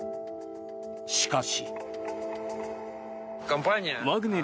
しかし。